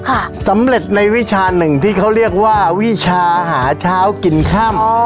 สำเร็จในวิชาหนึ่งที่เขาเรียกว่าวิชาหาเช้ากินค่ำอ๋อ